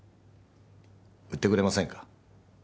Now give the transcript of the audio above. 売ってくれませんか？